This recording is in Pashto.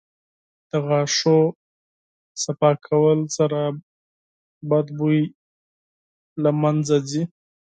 • د غاښونو پاکوالي سره بد بوی له منځه ځي.